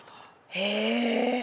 へえ。